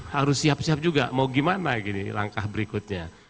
harus siap siap juga mau gimana langkah berikutnya